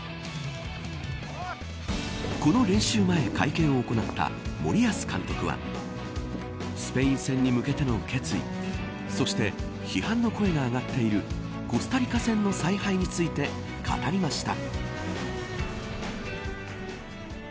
この練習前、会見を行った森保監督はスペイン戦に向けての決意そして批判の声が上がっているコスタリカ戦の采配について語りました。